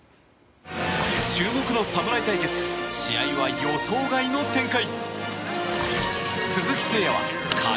注目の侍対決試合は予想外の展開。